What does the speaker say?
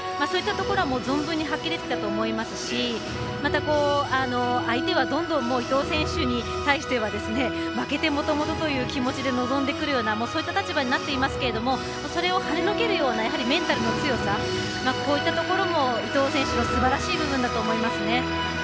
そういったところは存分に発揮できたと思いますしまた、相手はどんどん伊藤選手に対しては負けてもともとという気持ちで臨んでくるようなそういった立場になっていますけどそれを跳ねのけるようなメンタルの強さこういったところも伊藤選手のすばらしい部分だと思います。